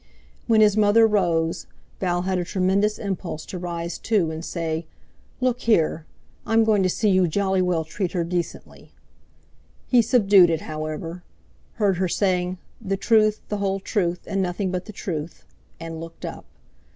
When his mother rose, Val had a tremendous impulse to rise too and say: "Look here! I'm going to see you jolly well treat her decently." He subdued it, however; heard her saying, "the truth, the whole truth, and nothing but the truth," and looked up.